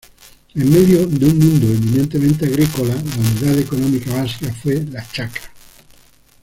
En medio de un mundo eminentemente agrícola, la unidad económica básica fue la chacra.